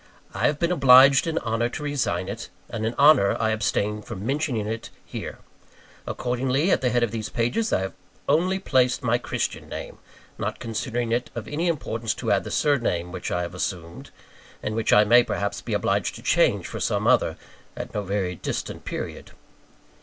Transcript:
I have been obliged in honour to resign it; and in honour I abstain from mentioning it here. Accordingly, at the head of these pages, I have only placed my Christian name not considering it of any importance to add the surname which I have assumed; and which I may, perhaps, be obliged to change for some other, at no very distant period.